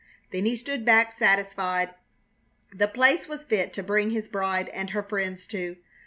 Then he stood back satisfied. The place was fit to bring his bride and her friends to.